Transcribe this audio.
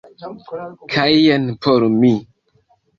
kaj jen por mi.